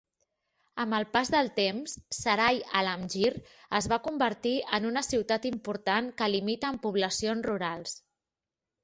Amb el pas del temps, Sarai Alamgir es va convertir en una ciutat important que limita amb poblacions rurals.